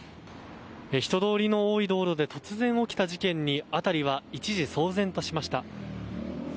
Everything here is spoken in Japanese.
人どおりの多い道路で突然、起きた事件に辺りは一時騒然としました。